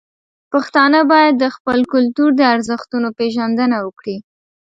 پښتانه باید د خپل کلتور د ارزښتونو پیژندنه وکړي.